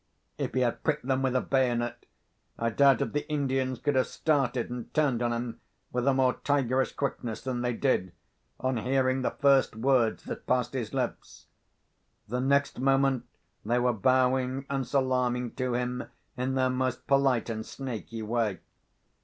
If he had pricked them with a bayonet, I doubt if the Indians could have started and turned on him with a more tigerish quickness than they did, on hearing the first words that passed his lips. The next moment they were bowing and salaaming to him in their most polite and snaky way.